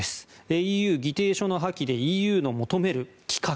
ＥＵ議定書の破棄でＥＵの求める規格